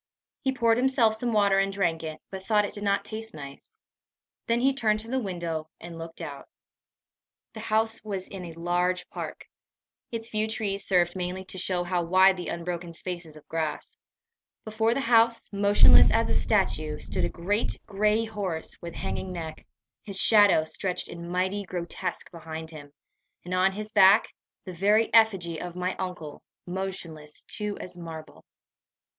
He poured himself some water and drank it, but thought it did not taste nice. Then he turned to the window, and looked out. The house was in a large park. Its few trees served mainly to show how wide the unbroken spaces of grass. Before the house, motionless as a statue, stood a great gray horse with hanging neck, his shadow stretched in mighty grotesque behind him, and on his back the very effigy of my uncle, motionless too as marble.